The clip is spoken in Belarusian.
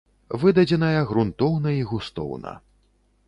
Выдадзеная грунтоўна і густоўна.